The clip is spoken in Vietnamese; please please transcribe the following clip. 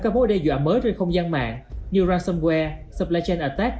các mối đe dọa mới trên không gian mạng như ransomware supply chain attack